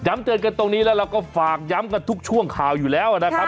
เตือนกันตรงนี้แล้วเราก็ฝากย้ำกันทุกช่วงข่าวอยู่แล้วนะครับ